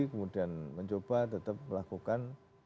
kemudian mencoba tetap melakukan